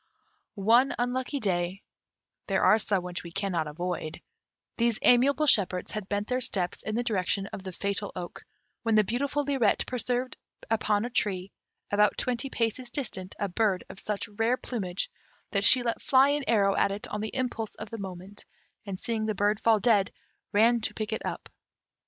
One unlucky day (there are some which we cannot avoid), these amiable shepherds had bent their steps in the direction of the fatal oak, when the beautiful Lirette perceived upon a tree, about twenty paces distant, a bird of such rare plumage, that she let fly an arrow at it on the impulse of the moment, and seeing the bird fall dead, ran to pick it up.